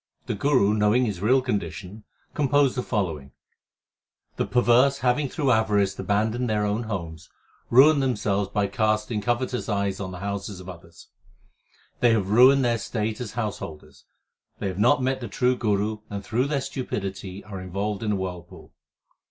The Guru, knowing his real condition, composed the following : The perverse having through avarice abandoned their own homes, ruin themselves by casting covetous eyes on the houses of others. They have ruined their state as householders ; they have not met the True Guru, and through their stupidity are involved in a whirlpool.